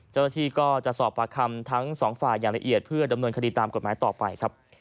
เจ้าหน้าที่ก็จะสอบปากคำทั้งสองฝ่ายอย่างละเอียดเพื่อดำเนินคดีตามกฎหมายต่อไปครับ